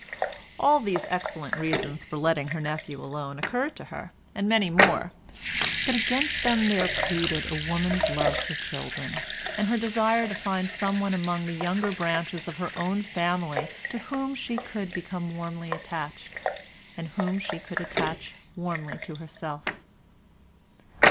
All these excellent reasons for letting her nephew alone occurred to her, and many more, but against them there pleaded a woman's love for children, and her desire to find someone among the younger branches of her own family to whom she could become warmly attached, and whom she could attach warmly to herself.